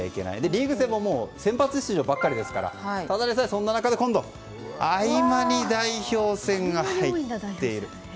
リーグ戦も先発出場ばっかりですからただでさえ、そんな中で合間に代表戦が入っている。